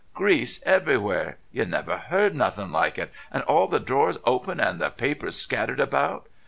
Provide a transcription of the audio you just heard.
Grease everywhere, you never see nothin' like it, and all the drawers open and the papers scattered about.